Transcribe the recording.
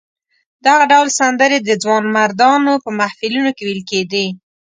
دغه ډول سندرې د ځوانمردانو په محفلونو کې ویل کېدې.